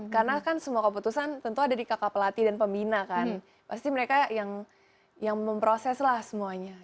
karena kan semua keputusan tentu ada di kakak pelatih dan pembina kan pasti mereka yang memproses lah semuanya